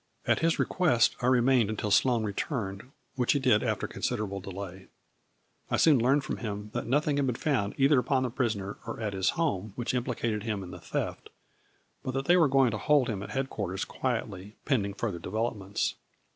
At his request, I remained until Sloane re turned, which he did after considerable delay. I soon learned from him that nothing had been found either upon the prisoner or at his home, which implicated him in the theft, but that they were going to hold him at head quarters quietly, pending further developments.